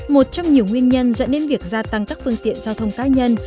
một trong nhiều nguyên nhân dẫn đến việc gia tăng các phương tiện giao thông cá nhân